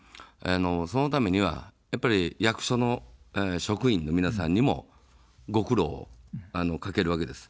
そのためにはやっぱり役所の職員の皆さんにもご苦労をかけるわけです。